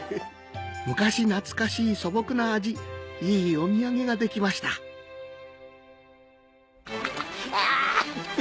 昔懐かしい素朴な味いいお土産ができましたあ！